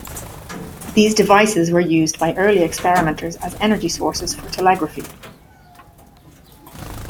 These devices were used by early experimenters as energy sources for telegraphy.